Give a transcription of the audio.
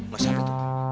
lo siapa tuh